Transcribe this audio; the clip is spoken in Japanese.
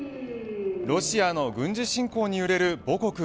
ロシアの軍事侵攻にゆれる母国